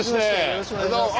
よろしくお願いします。